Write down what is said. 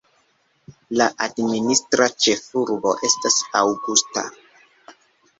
La administra ĉefurbo estas Augusta.